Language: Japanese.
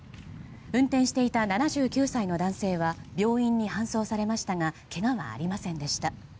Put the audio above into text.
運転していた７９歳の男性は病院に搬送されましたがけがはありませんでした。